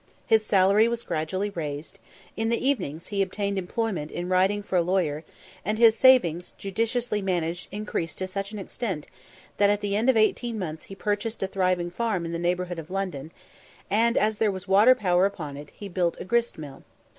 His salary was gradually raised in the evenings he obtained employment in writing for a lawyer, and his savings, judiciously managed, increased to such an extent, that at the end of eighteen months he purchased a thriving farm in the neighbourhood of London, and, as there was water power upon it, he built a grist mill.